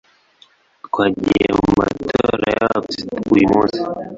Twagiye mu matora yaba perezida uyu munsi